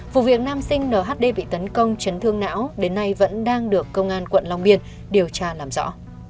vụ việc nam sinh nhd bị tấn công chấn thương não đến nay vẫn đang được công an quận long biên điều tra làm rõ